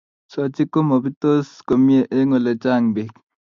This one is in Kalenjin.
Sochik ko mapitos komie eng' ole chang' peek